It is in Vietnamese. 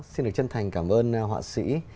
xin được chân thành cảm ơn họa sĩ